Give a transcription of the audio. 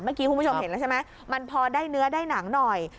เมื่อกี้คุณผู้ชมเห็นแล้วใช่ไหมมันพอได้เนื้อได้หนังหน่อย